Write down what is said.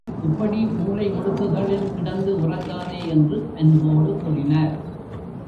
இப்படி மூலை முடுக்குகளில் கிடந்து உறங்காதே என்று அன்போடு கூறினார்.